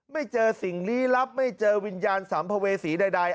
ไม่เจอสิ่งลี้ลับไม่เจอวิญญาณสัมภเวษีใด